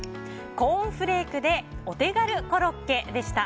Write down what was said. コーンフレークでお手軽コロッケでした。